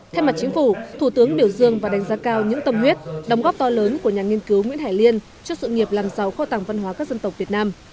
thay mặt chính phủ thủ tướng biểu dương và đánh giá cao những tâm huyết đóng góp to lớn của nhà nghiên cứu nguyễn hải liên cho sự nghiệp làm giàu kho tàng văn hóa các dân tộc việt nam